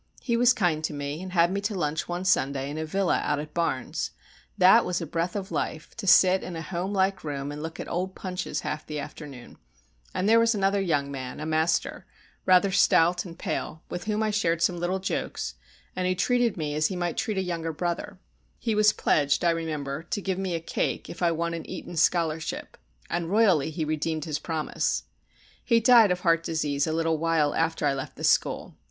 He was kind to me, and had me to lunch one Sunday in a villa out at Barnes that was a breath of life, to sit in a homelike room and look at old Punches half the afternoon; and there was another young man, a master, rather stout and pale, with whom I shared some little jokes, and who treated me as he might treat a younger brother; he was pledged, I remember, to give me a cake if I won an Eton Scholarship, and royally he redeemed his promise. He died of heart disease a little while after I left the school.